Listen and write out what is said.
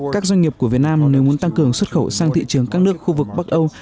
các doanh nghiệp của việt nam nếu muốn tăng cường xuất khẩu sang thị trường các nước khu vực bắc âu